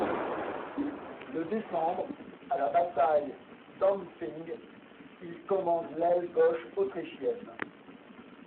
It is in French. Le décembre, à la bataille d'Ampfing, il commande l'aile gauche autrichienne.